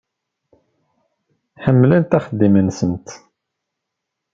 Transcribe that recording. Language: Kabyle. Ḥemmlent axeddim-nsent.